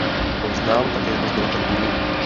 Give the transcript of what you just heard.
Byl znám také jako sběratel umění.